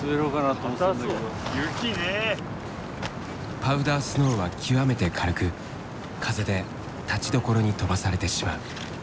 パウダースノーは極めて軽く風でたちどころに飛ばされてしまう。